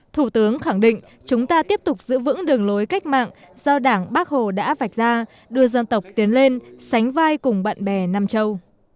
thủ tướng khẳng định chúng ta tiếp tục giữ vững đường lối cách mạng do đảng bác hồ đã vạch ra đưa dân tộc tiến lên sánh vai cùng bạn bè nam châu